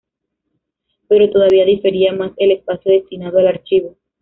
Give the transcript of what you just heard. Pero todavía difería más el espacio destinado al archivo.